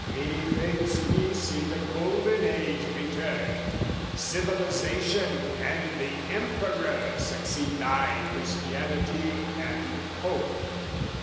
"Methinks we see the golden age return! "Civilisation and the Emperor "Succeed thy Christianity and Pope.